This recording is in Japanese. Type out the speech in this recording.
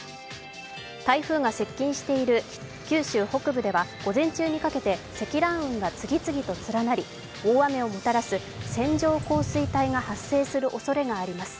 台風が接近している九州北部では午前中にかけて積乱雲が次々と連なり、大雨をもたらす線状降水帯が発生するおそれがあります。